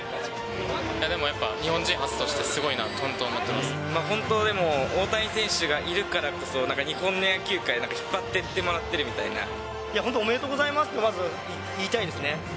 でもやっぱ、日本人初として本当、でも、大谷選手がいるからこそ、なんか日本の野球界、なんか引っ張ってってもらっているみたいな。本当、おめでとうございますってまずは言いたいですね。